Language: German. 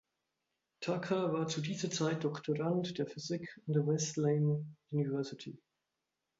Tucker war zu dieser Zeit Doktorand der Physik an der Wesleyan University.